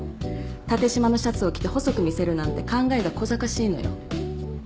縦しまのシャツを着て細く見せるなんて考えが小ざかしいのよ。